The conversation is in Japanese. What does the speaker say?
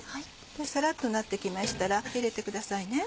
サラっとなってきましたら入れてくださいね。